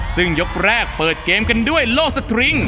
ซึ่งยกแรกเปิดเกมกันด้วยโลสตริง